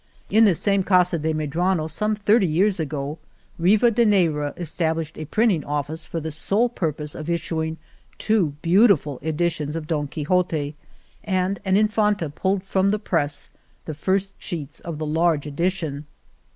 In this same Casa de Medrano, some thirty years ago, Rivadeneyra established a printing of 51 Argamasilla fice for the sole purpose of issuing two beau tiful editions of Don Quixote, and an Infanta pulled from the press the first sheets of the large edition.